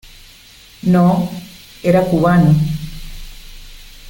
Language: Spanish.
no, era cubano.